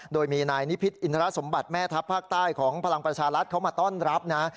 โดยมีนายนิพิษอินทรสมบัติแม่ทัพภาคใต้ของพลังประชารัฐเขามาต้อนรับนะ